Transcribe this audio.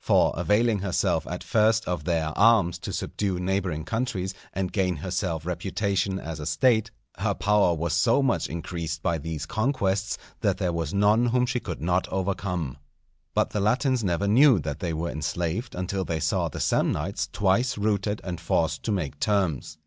For availing herself at first of their arms to subdue neighbouring countries and gain herself reputation as a State, her power was so much increased by these conquests that there was none whom she could not overcome. But the Latins never knew that they were enslaved until they saw the Samnites twice routed and forced to make terms.